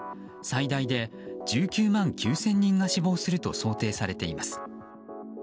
最大で１９万９０００人が死亡すると想定されています。